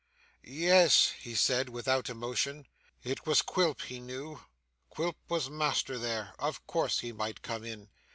'Yes,' he said without emotion, 'it was Quilp, he knew. Quilp was master there. Of course he might come in.